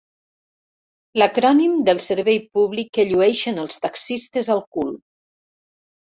L'acrònim del servei públic que llueixen els taxistes al cul.